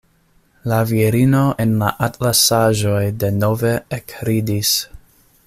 La virino en la atlasaĵoj denove ekridis.